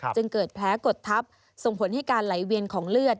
จึงเกิดแผลกดทับส่งผลให้การไหลเวียนของเลือด